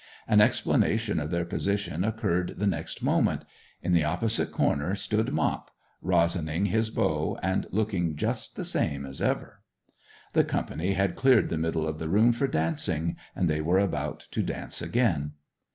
An explanation of their position occurred the next moment. In the opposite corner stood Mop, rosining his bow and looking just the same as ever. The company had cleared the middle of the room for dancing, and they were about to dance again.